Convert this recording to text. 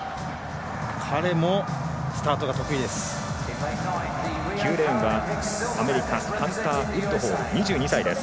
彼もスタート得意です。